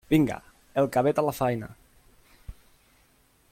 Vinga, el cabet a la faena!